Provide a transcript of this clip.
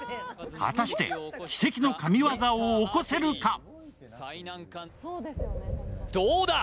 果たして奇跡の神業を起こせるか。